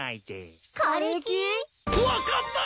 分かった！